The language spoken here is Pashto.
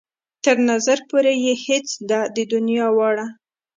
تر نظر پورې يې هېڅ ده د دنيا واړه.